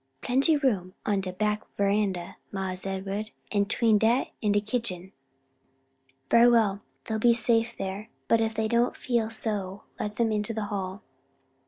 "Plenty room on de back veranda, Mars Ed'ard, an' 'tween dat an' de kitchen." "Very well, they'll be safe there, but if they don't feel so let them into the hall."